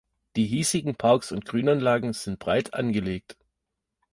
Die hiesigen Parks und Grünanlagen sind breit angelegt.